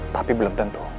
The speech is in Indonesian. tapi belum tentu